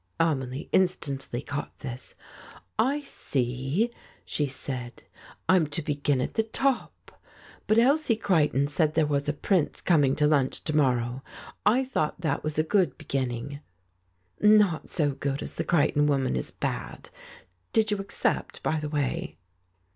Amelie instantly caught this. "I see," she said. "I'm to begin at the top. But Elsie Creighton said there was a Prince coming to lunch to morrow. I thought that was a good beginning." "Not so good as the Creighton woman is bad. Did you accept, by the way